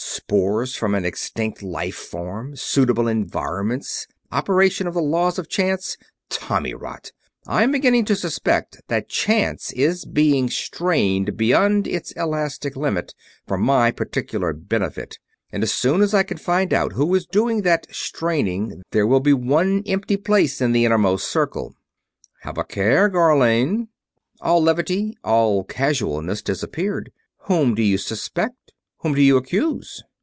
Spores from an extinct life form suitable environments operation of the laws of chance Tommyrot! I am beginning to suspect that chance is being strained beyond its elastic limit, for my particular benefit, and as soon as I can find out who is doing that straining there will be one empty place in the Innermost Circle." "Have a care, Gharlane!" All levity, all casualness disappeared. "Whom do you suspect? Whom do you accuse?"